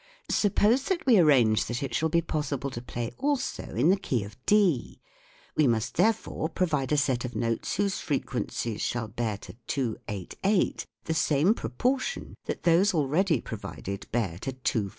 Suppose that we arrange that it shall be possible 64 THE WORLD OF SOUND to play also in the key of D ; we must therefore provide a set of notes whose frequencies shall bear to 288 the same proportion that those already provided bear to 256.